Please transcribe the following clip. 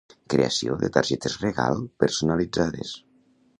Creació de targetes regal personalitzades